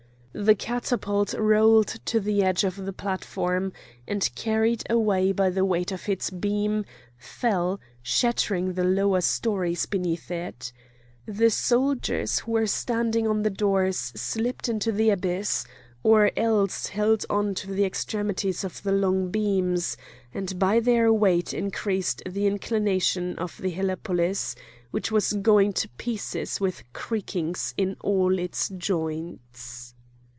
The catapult rolled to the edge of the platform, and carried away by the weight of its beam, fell, shattering the lower stories beneath it. The soldiers who were standing on the doors slipped into the abyss, or else held on to the extremities of the long beams, and by their weight increased the inclination of the helepolis, which was going to pieces with creakings in all its joints.